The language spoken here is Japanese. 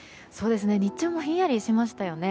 日中もひんやりしましたよね。